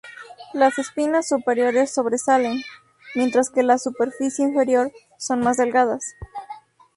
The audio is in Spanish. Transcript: Las espinas superiores sobresalen, mientras que la superficie inferior son más delgadas.